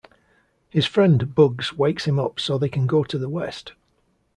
His friend Bugs wakes him up so they can go to the West.